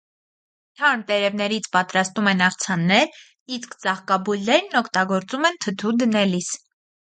Թարմ տերևներից պատրաստում են աղցաններ, իսկ ծաղկաբույլերն օգտագործում են թթու դնելիս։